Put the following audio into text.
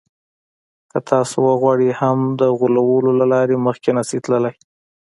که تاسې وغواړئ هم د غولولو له لارې مخکې نه شئ تللای.